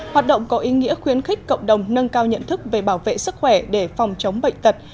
hoạt động có ý nghĩa khuyến khích cộng đồng nâng cao nhận thức về bảo vệ sức khỏe để phòng chống bệnh tật